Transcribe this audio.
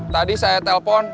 tadi saya telpon